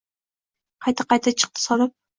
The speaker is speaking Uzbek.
Qayta-qayta chiqim soldi.